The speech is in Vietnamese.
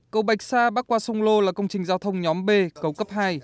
cầu bạch sa bắc qua sông lô là công trình giao thông nhóm b cầu cấp hai